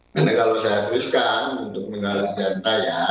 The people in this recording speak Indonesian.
karena kalau saya teruskan untuk menyalah jantanya